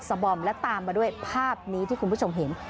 บอมและตามมาด้วยภาพนี้ที่คุณผู้ชมเห็น